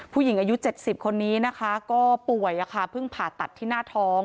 ผู้หญิงอายุ๗๐คนนี้นะคะก็ป่วยเพิ่งผ่าตัดที่หน้าท้อง